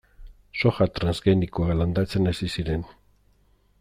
Soja transgenikoa landatzen hasi ziren.